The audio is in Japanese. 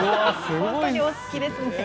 本当にお好きですね。